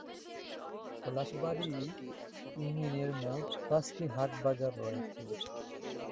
পলাশবাড়ী ইউনিয়নের মোট পাঁচটি হাট বাজার রয়েছে।